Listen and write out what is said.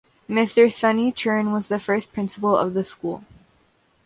Mr Sun Y-Chern was the first principal of the school.